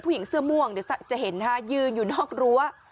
ผู้หญิงเสื้อม่วงเดี๋ยวจะเห็นนะคะยืนอยู่นอกรั้ว